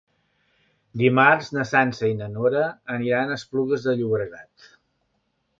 Dimarts na Sança i na Nora aniran a Esplugues de Llobregat.